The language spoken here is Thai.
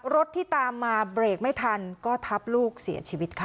รถที่ตามมาเบรกไม่ทันก็ทับลูกเสียชีวิตค่ะ